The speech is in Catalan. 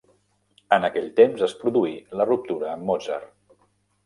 En aquell temps es produí la ruptura amb Mozart.